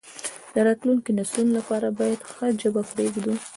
د راتلونکو نسلونو لپاره باید ښه ژبه پریږدو.